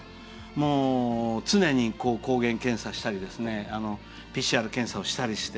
もう、常に抗原検査したりＰＣＲ検査をしたりして。